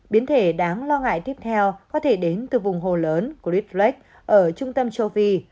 biến thể đáng lo ngại tiếp theo có thể đến từ vùng hồ lớn của replak ở trung tâm châu phi